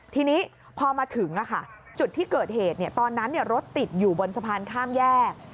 ทีนี้พอมาถึงจุดที่เกิดเหตุตอนนั้นรถติดอยู่บนสะพานข้ามแยก